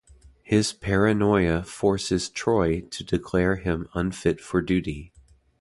His paranoia forces Troi to declare him unfit for duty.